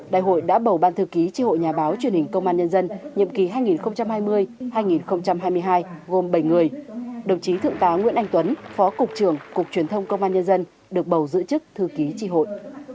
đại hội đã bầu ban thư ký tri hội nhà báo truyền hình công an nhân dân được bầu giữ chức thư ký tri hội